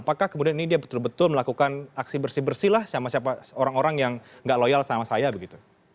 apakah kemudian ini dia betul betul melakukan aksi bersih bersih lah sama siapa orang orang yang nggak loyal sama saya begitu